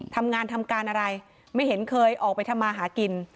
ทำงานทำการอะไรไม่เห็นเคยออกไปทำมาหากิน